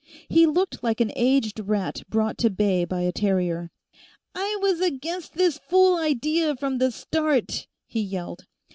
He looked like an aged rat brought to bay by a terrier. "I was against this fool idea from the start!" he yelled.